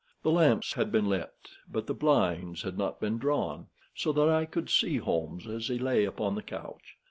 The lamps had been lighted, but the blinds had not been drawn, so that I could see Holmes as he lay upon the couch.